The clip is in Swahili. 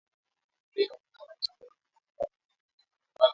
mkulima atunze shamba aweze kupata mavuno mengi